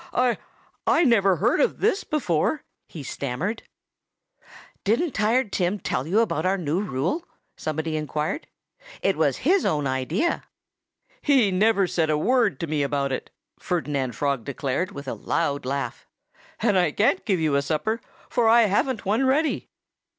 "I I never heard of this before!" he stammered. "Didn't Tired Tim tell you about our new rule?" somebody inquired. "It was his own idea." "He never said a word to me about it!" Ferdinand Frog declared with a loud laugh. "And I can't give you a supper, for I haven't one ready."